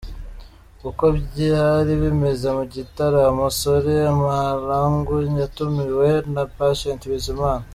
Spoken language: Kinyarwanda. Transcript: Uko byari bimeze mu gitaramo Solly Mahlangu yatumiwe na Patient Bizimana.